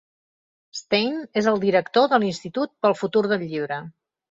Stein és el director de l'Institut pel Futur del Llibre.